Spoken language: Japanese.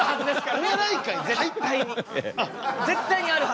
絶対にあるはず。